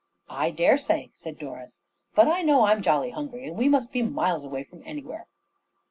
"I daresay," said Doris, "but I know I'm jolly hungry, and we must be miles away from anywhere."